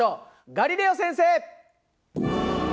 ガリレオ先生！